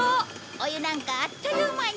お湯なんかあっという間に。